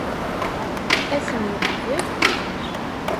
Ad ten-yeqbel?